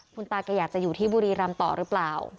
คุณตาแกอยากจะอยู่ที่บุรีรำต่อหรือเปล่า